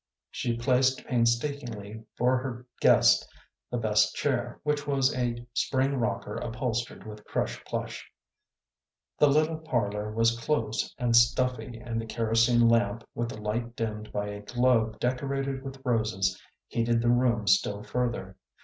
She placed painstakingly for her guest the best chair, which was a spring rocker upholstered with crush plush. The little parlor was close and stuffy, and the kerosene lamp, with the light dimmed by a globe decorated with roses, heated the room still further.